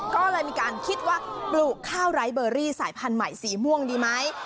ก็เลยมีการคิดว่าปลูกข้าวไร้เบอรี่สายพันธุ์ใหม่สีม่วงดีไหม